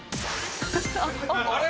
あれ？